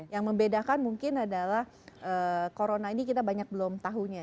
yang membedakan mungkin adalah corona ini kita banyak belum tahunya